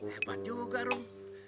hebat juga rum